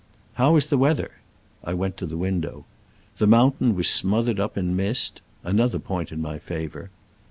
"How is the weather?" I went to the window. The mountain was smothered up in mist — another point in my favor.